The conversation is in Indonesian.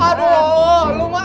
aduh lu mah